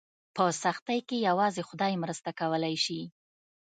په سختۍ کې یوازې خدای مرسته کولی شي.